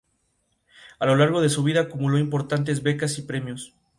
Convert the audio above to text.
El trabajo de Allan se encuentra distribuido por todo Reino Unido.